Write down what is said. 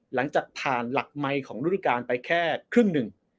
หลังจากผ่านหลักไมค์ของฤดูการไปแค่ครึ่งหนึ่ง